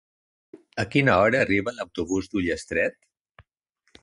A quina hora arriba l'autobús d'Ullastret?